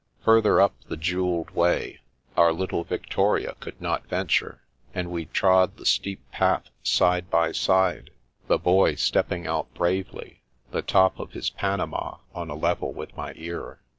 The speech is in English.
Further up the jewelled way, our little victoria could not venture, and we trod the steep path side by side, the Boy stepping out bravely, the top of his panama on a level with my ear.